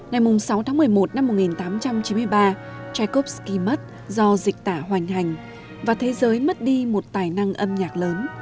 ngày sáu tháng một mươi một năm một nghìn tám trăm chín mươi ba tchaikovsky mất do dịch tả hoành hành và thế giới mất đi một tài năng âm nhạc lớn